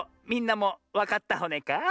みんなもわかったホネか？